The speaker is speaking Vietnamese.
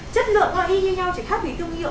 chất lượng y như nhau chỉ khác vì thương hiệu